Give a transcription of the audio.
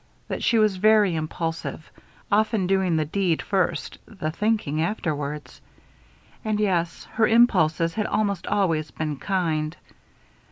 That she was very impulsive, often doing the deed first, the thinking afterwards. And yes, her impulses had almost always been kind.